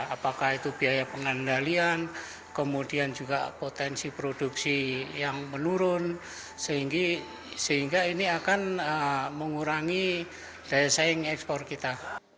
apakah itu biaya pengendalian kemudian juga potensi produksi yang menurun sehingga ini akan mengurangi daya saing ekspor kita